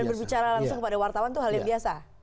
dan berbicara langsung kepada wartawan itu hal yang biasa